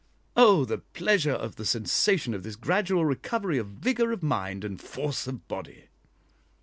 Oh the pleasure of the sensation of this gradual recovery of vigour of mind and force of body!